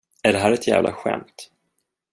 Är det här ett jävla skämt?